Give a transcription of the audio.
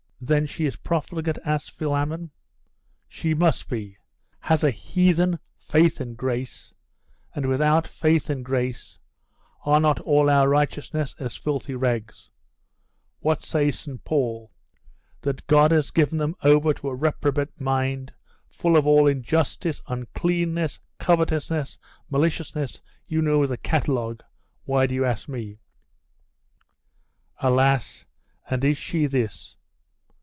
'Then she is profligate?' asked Philammon. 'She must be. Has a heathen faith and grace? And without faith and grace, are not all our righteousnesses as filthy rags? What says St. Paul? That God has given them over to a reprobate mind, full of all injustice, uncleanness, covetousness, maliciousness, you know the catalogue why do you ask me?' 'Alas! and is she this?